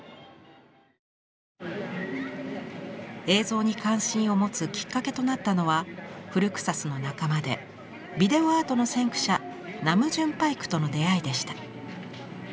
映像に関心を持つきっかけとなったのは「フルクサス」の仲間でビデオアートの先駆者ナムジュン・パイクとの出会いでした。